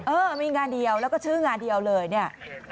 เออมีงานเดียวแล้วก็ชื่องานเดียวเลยเนี่ย